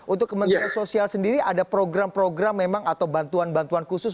untuk kementerian sosial sendiri ada program program memang atau bantuan bantuan khusus